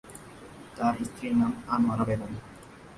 তার স্ত্রীর নাম আনোয়ারা বেগম।